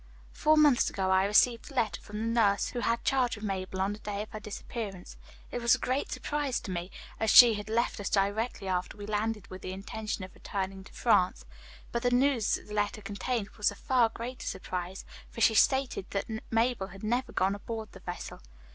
"Four months ago I received a letter from the nurse who had charge of Mabel on the day of her disappearance. It was a great surprise to me, as she had left us directly after we landed with the intention of returning to France. But the news the letter contained was a far greater surprise, for she stated that Mabel had never gone aboard the vessel.